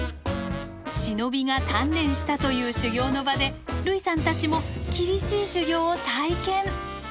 忍びが鍛錬したという修行の場で類さんたちも厳しい修行を体験。